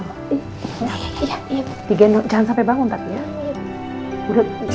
jangan sampai bangun tegi ya